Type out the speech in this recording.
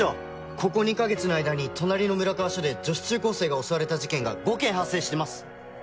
ここ２か月の間に隣の村川署で女子中高生が襲われた事件が５件発生してます。